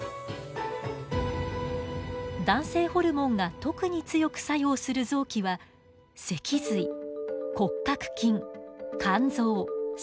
男性ホルモンが特に強く作用する臓器は脊髄骨格筋肝臓心臓など。